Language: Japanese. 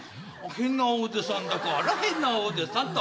「変なおじさんだから変なおじさん」と。